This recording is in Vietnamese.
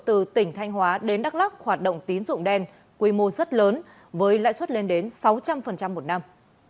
từ tỉnh thanh hóa đến đắk lắc hoạt động tín dụng đen quy mô rất lớn với lãi suất lên đến sáu trăm linh một năm